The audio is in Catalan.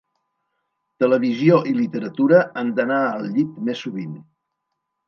Televisió i literatura han d'anar al llit més sovint.